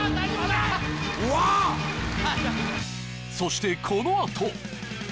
そしてこのあと！